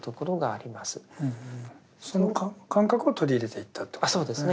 その感覚を取り入れていったということですね。